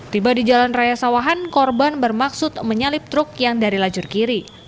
tiba di jalan raya sawahan korban bermaksud menyalip truk yang dari lajur kiri